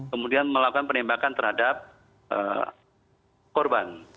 kemudian melakukan penembakan terhadap korban